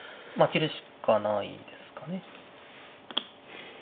まあ切るしかないですかね。